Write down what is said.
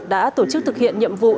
đã tổ chức thực hiện nhiệm vụ